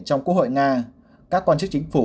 trong quốc hội nga các quan chức chính phủ